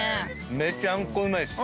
めちゃんこうまいっす。